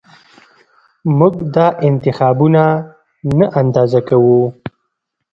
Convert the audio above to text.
موږ دا انتخابونه نه اندازه کوو